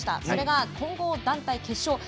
それが混合団体決勝